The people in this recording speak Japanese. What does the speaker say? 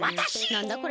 なんだこれ。